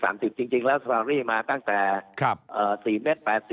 สมหานิดหนึ่งแล้วสวารีมาตั้งจาก๔๘๐เมตร